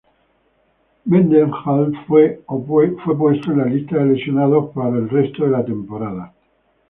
Mendenhall fue puesto en la lista de lesionados por el resto de la temporada.